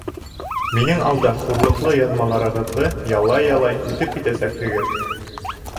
Минең алда хурлыҡлы яҙмаларығыҙҙы ялай-ялай, үтеп китәсәкһегеҙ.